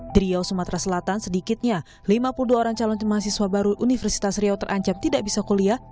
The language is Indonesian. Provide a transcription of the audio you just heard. di riau sumatera selatan sedikitnya lima puluh dua orang calon mahasiswa baru universitas riau terancam tidak bisa kuliah